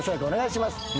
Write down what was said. お願いします。